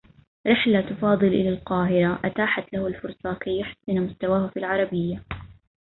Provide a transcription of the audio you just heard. رحلة فاضل إلى القاهرة أتاحت له الفرصة كي يحسّن مستواه في العربيّة.